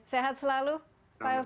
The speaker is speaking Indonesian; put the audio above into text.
sehat selalu pak lth